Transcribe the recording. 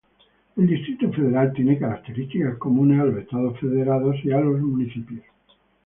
El Distrito Federal tiene características comunes a los estados federados y a los municipios.